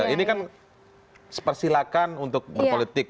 ini kan persilakan untuk berpolitik